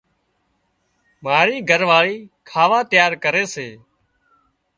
مارِي گھر واۯِي کاوا تيار ڪري سي۔